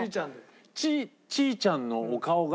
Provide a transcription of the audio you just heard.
ちーちゃんのお顔が。